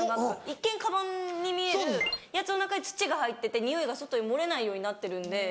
一見カバンに見えるやつの中に土が入ってて臭いが外に漏れないようになってるんで。